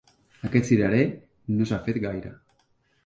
Aquest cirerer no s'ha fet gaire.